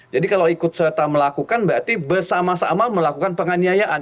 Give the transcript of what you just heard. jadi kalau ikut serta melakukan berarti bersama sama melakukan penganiayaan